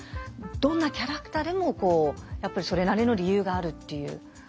どんなキャラクターでもやっぱりそれなりの理由があるっていう。